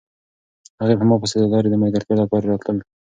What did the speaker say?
هغې په ما پسې د لارې د ملګرتیا لپاره راتلل کول.